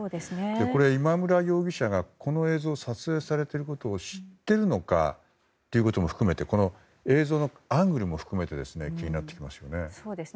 これ、今村容疑者がこの映像が撮影されていることを知っているのかということも含めてアングルなども気になってきますよね。